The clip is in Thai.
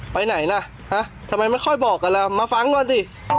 ไปไหนนะทำไมไม่ค่อยบอกกันแล้วมาฟังก่อนดิ